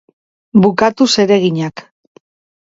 Bukatu zereginak.